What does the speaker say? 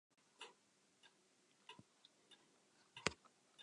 Ik lês graach mar ik doch ek graach kompjûterspultsjes.